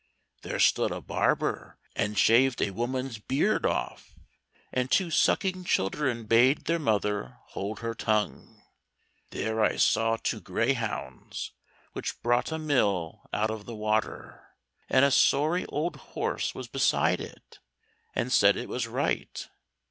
There stood a barber and shaved a woman's beard off; and two sucking children bade their mother hold her tongue. There I saw two greyhounds which brought a mill out of the water; and a sorry old horse was beside it, and said it was right.